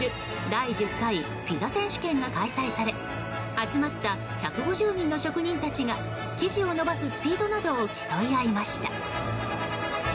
第１０回ピザ選手権が開催され集まった１５０人の職人たちが生地を延ばすスピードなどを競い合いました。